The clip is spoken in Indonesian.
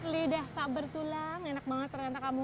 lidah tak bertulang enak banget ternyata kamu